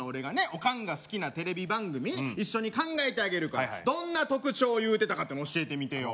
おかんが好きなテレビ番組一緒に考えてあげるからどんな特徴言うてたかっての教えてみてよ